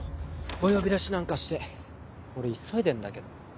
お呼び出しなんかして俺急いでんだけど。